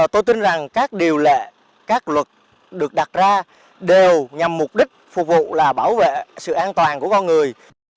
tôi tin rằng các điều lệ các luật được đặt ra đều nhằm mục đích phục vụ là bảo vệ sự an toàn của con người